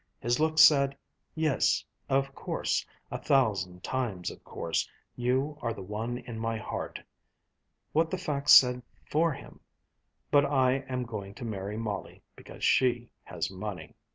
His look said, "Yes, of course, a thousand times of course, you are the one in my heart." What the facts said for him was, "But I am going to marry Molly because she has money."